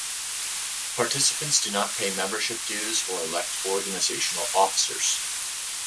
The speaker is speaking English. Participants do not pay membership dues or elect organizational officers.